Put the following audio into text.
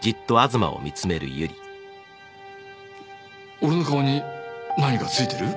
俺の顔に何か付いてる？